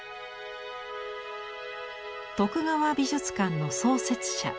徳川美術館の創設者